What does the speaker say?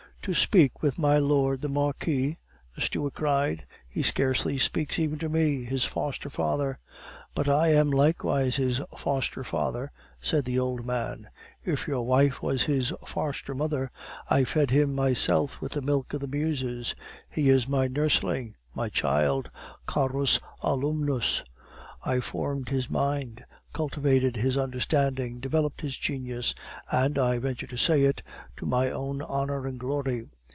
"To speak with my Lord the Marquis?" the steward cried. "He scarcely speaks even to me, his foster father!" "But I am likewise his foster father," said the old man. "If your wife was his foster mother, I fed him myself with the milk of the Muses. He is my nursling, my child, carus alumnus! I formed his mind, cultivated his understanding, developed his genius, and, I venture to say it, to my own honor and glory.